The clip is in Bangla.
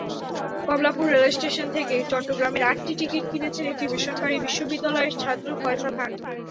কমলাপুর রেলস্টেশন থেকে চট্টগ্রামের আটটি টিকিট কিনেছেন একটি বেসরকারি বিশ্ববিদ্যালয়ের ছাত্র ফয়সাল খান।